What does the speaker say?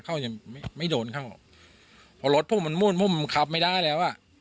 เขาจะไม่โดนเข้าออกพอรถพวกมันมุ่นพวกมันขับไม่ได้แล้วอ่ะ